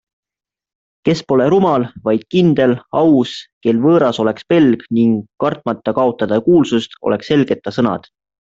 Kes pole rumal, vaid kindel, aus, kel võõras oleks pelg ning, kartmata kaotada kuulsust, oleks selged ta sõnad.